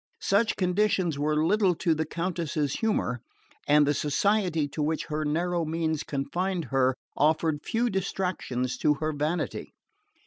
Such conditions were little to the Countess's humour, and the society to which her narrow means confined her offered few distractions to her vanity.